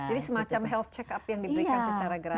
jadi semacam health check up yang diberikan secara gratis